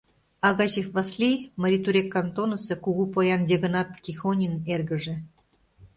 Агачев Васлий — Марий Турек кантонысо кугу поян Йыгынат Тихонин эргыже.